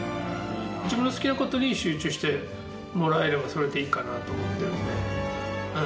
自分の好きな事に集中してもらえればそれでいいかなと思ってるので。